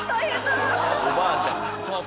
おばあちゃん。